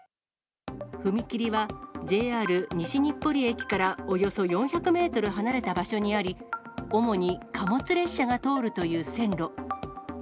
踏切は、ＪＲ西日暮里駅からおよそ４００メートル離れた場所にあり、主に貨物列車が通るという線路。